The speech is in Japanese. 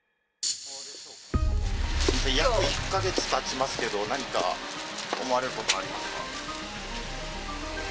約１か月たちますけど、何か思われることありますか。